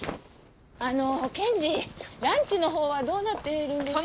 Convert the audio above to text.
あの検事ランチの方はどうなっているんでしょう？